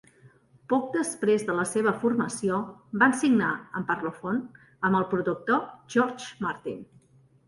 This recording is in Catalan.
Poc després de la seva formació, van signar amb Parlophone, amb el productor George Martin.